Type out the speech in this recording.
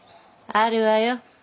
あるわよ